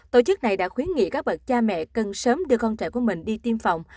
tổ chức này đã khuyến nghị các bậc cha mẹ cần sớm đưa con trại của mình đi tiêm phòng